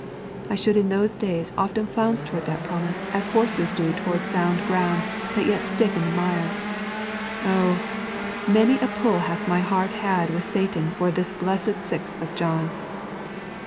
I should in those days often flounce toward that promise as horses do toward sound ground that yet stick in the mire. Oh! many a pull hath my heart had with Satan for this blessed sixth of John